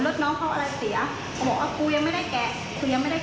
คือหนูขอแค่ความยุติธรรมให้รถหนูกลับโดยที่แบบว่าถ้าเกิดว่าสมมุติเขาเรียกหนูหมื่นหนึ่ง